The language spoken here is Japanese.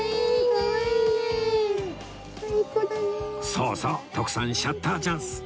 そうそう徳さんシャッターチャンス